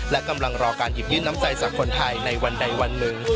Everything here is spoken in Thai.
และกำลังรอการหยิบยื่นน้ำใจจากคนไทยในวันใดวันหนึ่ง